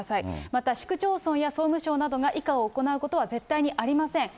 また市区町村や総務省などが以下を行うことは絶対にありません。